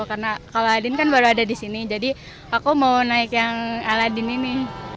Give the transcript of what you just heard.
karena kalau aladin kan baru ada disini jadi aku mau naik yang aladin ini